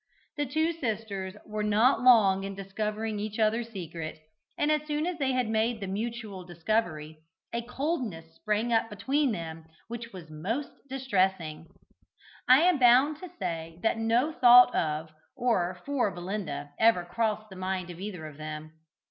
The two sisters were not long in discovering each other's secret, and as soon as they had made the mutual discovery, a coldness sprang up between them which was most distressing. I am bound to say that no thought of or for Belinda ever crossed the mind of either of them.